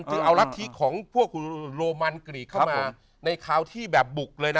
คือเอารัฐราชิตของพวกโลมันกรีกเข้ามาครับผมในข้าวที่แบบบุกเลยน่ะ